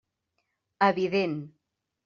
Evident.